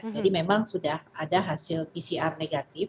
jadi memang sudah ada hasil pcr negatif